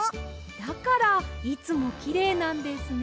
だからいつもきれいなんですね。